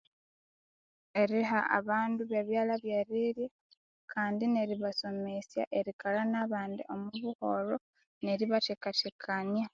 Eriha abandu bebyalya byerirya Kandi neribasomesya erikalha nabandi omobuholho neribathekathekania